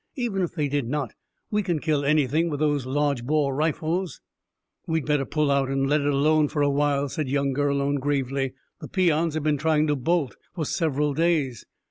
"Even if they did not, we can kill anything with these large bore rifles." "We'd better pull out and let it alone for a while," said young Gurlone gravely. "The peons have been trying to bolt for several days.